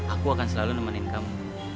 aku akan selalu nemenin kamu